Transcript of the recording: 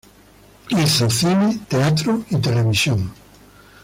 Hizo cine, teatro y televisión.